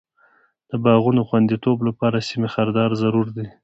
د باغونو خوندیتوب لپاره سیم خاردار ضرور دی.